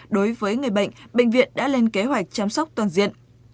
đối với người bệnh bệnh viện đã lên kế hoạch chăm sóc toàn diện